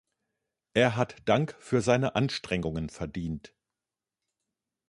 Er hat Dank für seine Anstrengungen verdient.